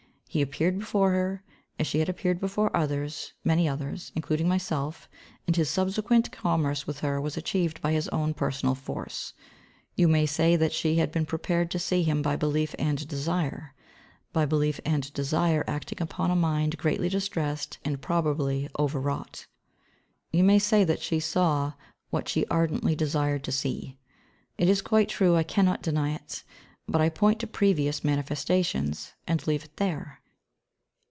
He appeared before her, as she had appeared before others, many others, including myself, and his subsequent commerce with her was achieved by his own personal force. You may say that she had been prepared to see him by belief and desire, by belief and desire acting upon a mind greatly distressed and probably overwrought. You may say that she saw what she ardently desired to see. It is quite true, I cannot deny it; but I point to his previous manifestations, and leave it there.